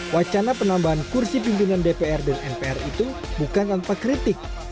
wacana penambahan kursi pimpinan dpr dan mpr itu bukan tanpa kritik